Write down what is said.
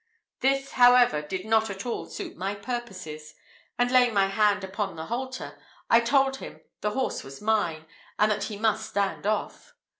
This, however, did not at all suit my purposes, and laying my hand upon the halter, I told him the horse was mine, and that he must stand off.